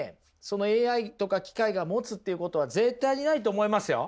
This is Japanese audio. そのＡＩとか機械が持つっていうことは絶対にないと思いますよ！